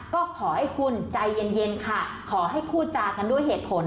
ก็ขอให้คุณใจเย็นค่ะขอให้พูดจากันด้วยเหตุผล